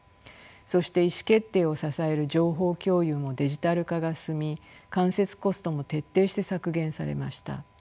そして意思決定を支える情報共有もデジタル化が進み間接コストも徹底して削減されました。